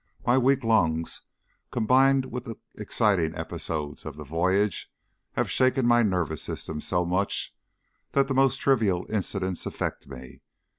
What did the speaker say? My weak lungs, combined with the exciting episodes of the voyage, have shaken my nervous system so much that the most trivial incident affects me.